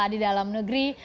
di dalam negeri